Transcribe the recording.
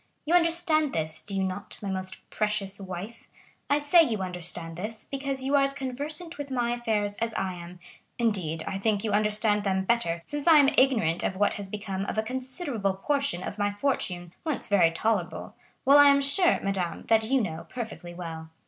You understand this, do you not, my most precious wife? I say you understand this, because you are as conversant with my affairs as I am; indeed, I think you understand them better, since I am ignorant of what has become of a considerable portion of my fortune, once very tolerable, while I am sure, madame, that you know perfectly well.